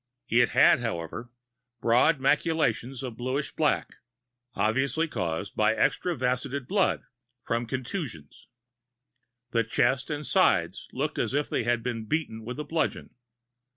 It had, however, broad maculations of bluish black, obviously caused by extravasated blood from contusions. The chest and sides looked as if they had been beaten with a bludgeon.